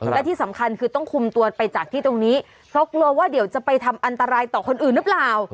และที่สำคัญคือต้องคุมตัวไปจากที่ตรงนี้เพราะกลัวว่าเดี๋ยวจะไปทำอันตรายต่อคนอื่นหรือเปล่า